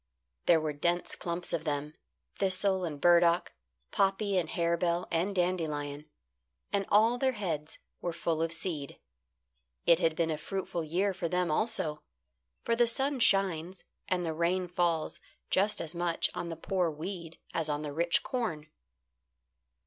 There were dense clumps of them thistle and burdock, poppy and harebell, and dandelion; and all their heads were full of seed. It had been a fruitful year for them also, for the sun shines and the rain falls just as much on the poor weed as on the rich corn.